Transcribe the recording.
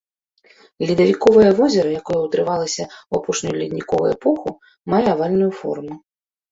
Ледавіковае возера, якое ўтварылася ў апошнюю ледніковы эпоху, мае авальную форму.